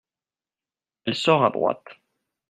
Elle sort à droite.